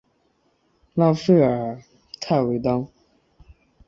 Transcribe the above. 拉弗尔泰维当。